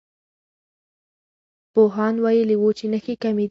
پوهاند ویلي وو چې نښې کمي دي.